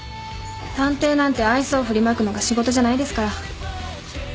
探偵なんて愛想ふりまくのが仕事じゃないですから。